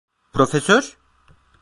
Profesör?